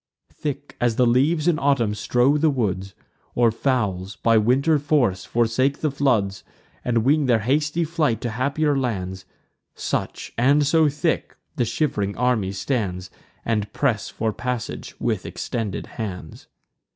Thick as the leaves in autumn strow the woods, Or fowls, by winter forc'd, forsake the floods, And wing their hasty flight to happier lands; Such, and so thick, the shiv'ring army stands, And press for passage with extended hands.